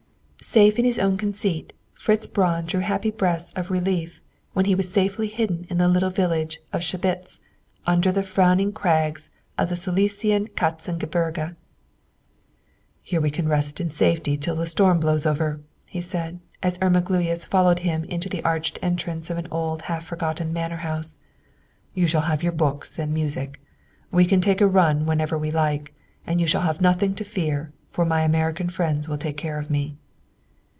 Safe in his own conceit, Fritz Braun drew happy breaths of relief when he was safely hidden in the little village of Schebitz, under the frowning crags of the Silesian Katzen Gebirge. "Here we can rest in safety till the storm blows over," he said, as Irma Gluyas followed him into the arched entrance of an old half forgotten manor house. "You shall have your books and music; we can take a run whenever we like, and you shall have nothing to fear, for my American friends will take care of me."